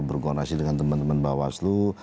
berkonversi dengan teman teman baslu